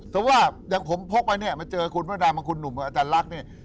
แต่ว่าอย่างผมพกไปเนี่ยมาเจอคุณพระดำบางคุณหนุ่มกับอาจารย์ลักษณ์เนี่ย